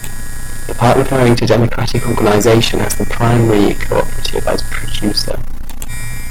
The part referring to democratic organization has the primary cooperative as "producer".